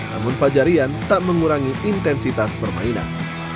namun fajar rian tak mengurangi intensitas permainan